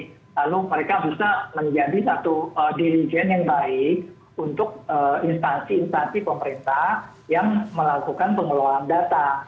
lalu mereka bisa menjadi satu dirijen yang baik untuk instansi instansi pemerintah yang melakukan pengelolaan data